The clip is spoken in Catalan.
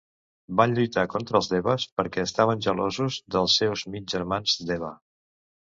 Van lluitar contar els Devas perquè estaven gelosos dels seus mig germans Deva.